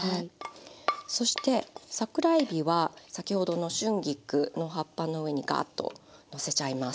そして桜えびは先ほどの春菊の葉っぱの上にガーッとのせちゃいます。